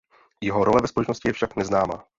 Jeho role ve společnosti je však neznámá.